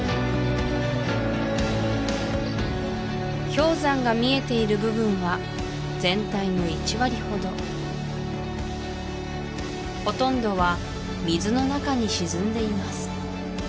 氷山が見えている部分は全体の１割ほどほとんどは水の中に沈んでいます